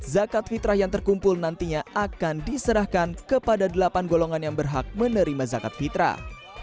zakat fitrah yang terkumpul nantinya akan diserahkan kepada delapan golongan yang berhak menerima zakat fitrah